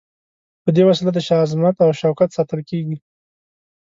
په دې وسیله د شاه عظمت او شوکت ساتل کیږي.